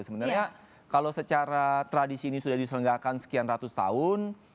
sebenarnya kalau secara tradisi ini sudah diselenggakan sekian ratus tahun